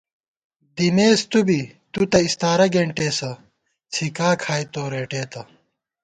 دِمېس تُو بی تُو تہ اَستارہ گېنٹېسہ څھِکا کھائی تو رېٹېتہ